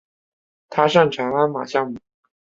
他擅长鞍马项目。